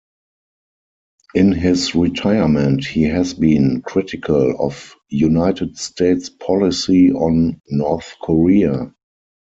In his retirement he has been critical of United States policy on North Korea.